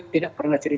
tidak pernah cerita